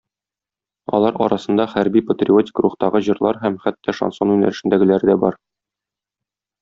Алар арасында хәрби-патриотик рухтагы җырлар һәм хәтта шансон юнәлешендәгеләре дә бар.